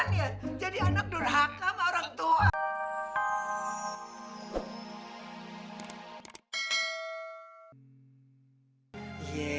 jadi anak durhaka sama orang tua